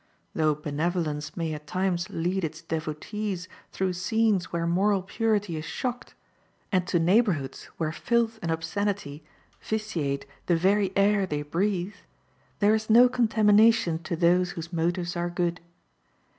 Though benevolence may at times lead its devotees through scenes where moral purity is shocked, and to neighborhoods where filth and obscenity vitiate the very air they breathe, there is no contamination to those whose motives are good.